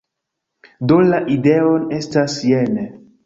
Do, la ideon estas jene: